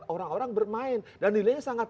orang orang bermain dan nilainya sangat